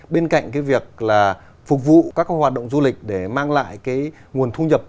bên cạnh cái việc là phục vụ các hoạt động du lịch để mang lại cái nguồn thu nhập